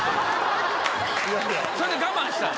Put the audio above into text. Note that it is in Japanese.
それで我慢した。